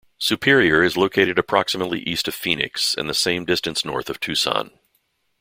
Superior is located approximately east of Phoenix and the same distance north of Tucson.